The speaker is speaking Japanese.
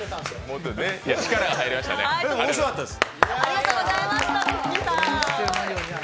面白かったです。